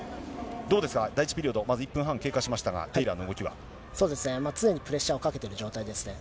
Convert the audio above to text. どうですか、第１ピリオド、まず１分半経過しましたが、常にプレッシャーをかけてる状態ですね。